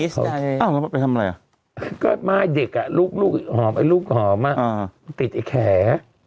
สวีเดนไอ้ลูกหอมอ่ะติดไอ้แข